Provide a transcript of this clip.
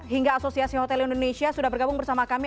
hingga asosiasi hotel indonesia sudah bergabung bersama kami